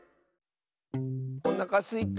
おなかすいた。